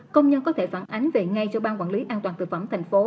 công nhân có thể phản ánh về ngay cho ban quản lý an toàn thực phẩm tp hcm